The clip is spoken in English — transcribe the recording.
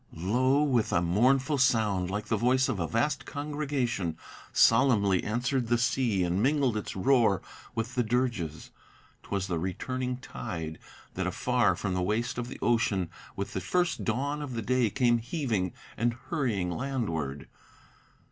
Lo! with a mournful sound, like the voice of a vast congregation, Solemnly answered the sea, and mingled its roar with the dirges. 'Twas the returning tide, that afar from the waste of the ocean, With the first dawn of the day, came heaving and hurrying landward.